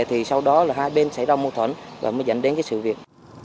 thì sau đó là hai bên xảy ra mô thuẫn và mới dẫn đến cái sự việc